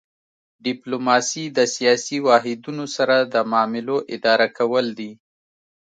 ډیپلوماسي د سیاسي واحدونو سره د معاملو اداره کول دي